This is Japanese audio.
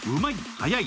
早い！